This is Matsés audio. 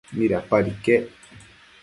¿midapad iquec?